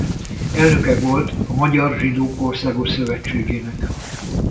Elnöke volt a Magyar Zsidók Országos Szövetségének.